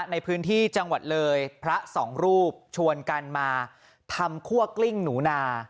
ในพื้นที่จังหวัดเลยพระสองรูปชวนกันมาทำคั่วกลิ้งหนูนา